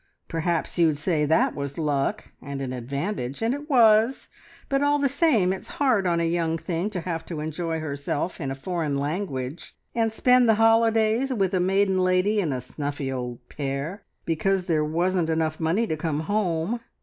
Perhaps you'd say that was luck, and an advantage, and it was, but all the same it's hard on a young thing to have to enjoy herself in a foreign language, and spend the holidays with a maiden lady and a snuffy old Pere, because there wasn't enough money to come home.